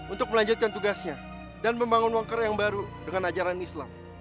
untuk melanjutkan tugasnya dan membangun wangkar yang baru dengan ajaran islam